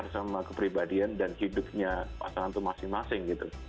benar benar care sama kepribadian dan hidupnya pasangan tuh masing masing gitu